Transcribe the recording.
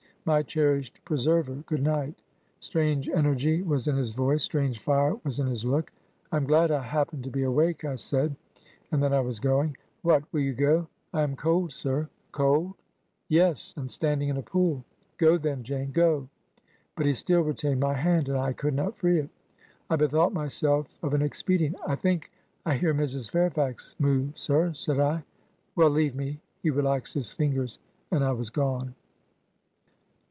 My cherished preserver, good night.' Strange energy was in his voice, strange fire was in his look. 'I am glad I happened to be awake,' I said, and then I was going. 'What, will you go!' 'I am cold, sir.' 'Cold? 226 Digitized by VjOOQIC CHARLOTTE BRONTE'S JANE EYRE Yes, and standing in a pool. Go, then, Jane, goT But he still retained my hand, and I could not free it. I bethought myself of an expedient. 'I think I hear Mrs. Fairfax move, sir,' said I. 'Well, leave me.' He relaxed his fingers and I was gone.''